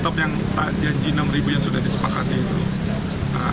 top yang janji enam ribu yang sudah disepakati itu